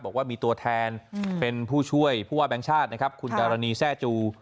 บอกว่ามีตัวแทนเป็นผู้ช่วยผู้ว่าแบงค์ชาตินะครับคุณกรณีแซ่จู